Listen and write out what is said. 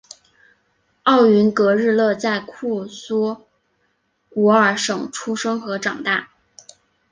奥云格日勒在库苏古尔省出生和长大。